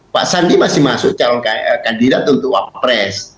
pak sandi masih masuk calon kandidat untuk wapres